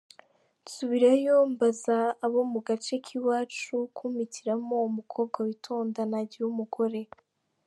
Nsubirayo mbaza abo mu gace k’iwacu kumpitiramo umukobwa witonda nagira umugore.